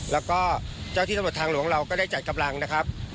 แล้วก็เจ้าที่ตำรวจทางหลวงเราก็ได้จัดกำลังนะครับ